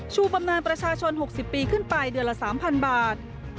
บำนานประชาชน๖๐ปีขึ้นไปเดือนละ๓๐๐บาท